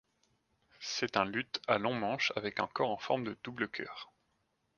C'est un luth à long manche avec un corps en forme de double cœur.